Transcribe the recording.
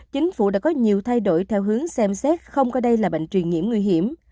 chính phủ đã có nhiều thay đổi theo hướng xem xét không coi đây là bệnh truyền nhiễm nguy hiểm